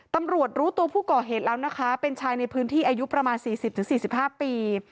ตำรวจรู้ตัวผู้ก่อเหตุแล้วนะคะเป็นชายในพื้นที่อายุประมาณ๔๐๔๕ปี